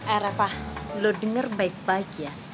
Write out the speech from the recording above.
eh rafa lo denger baik baik ya